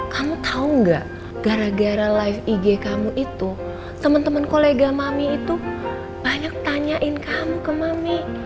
kamu tau gak gara gara live ig kamu itu teman teman kolega mami itu banyak tanyain kamu ke mami